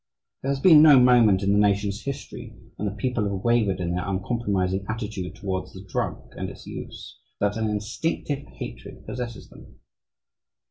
There has been no moment in the nation's history when the people have wavered in their uncompromising attitude towards the drug and its use, so that an instinctive hatred possesses them.